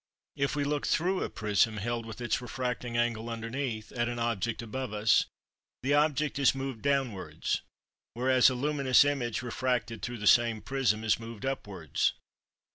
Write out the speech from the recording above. If we look through a prism, held with its refracting angle underneath, at an object above us, the object is moved downwards; whereas a luminous image refracted through the same prism is moved upwards.